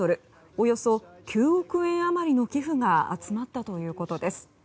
およそ９億円余りの寄付が集まったということです。